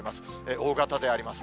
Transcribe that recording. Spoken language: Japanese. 大型であります。